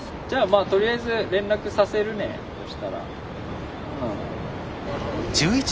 じゃあまあとりあえず連絡させるねそしたら。